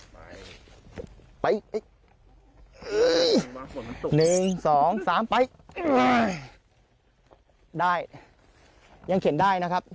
ไปไปหนึ่งสองสามไปได้ยังเข็นได้นะครับ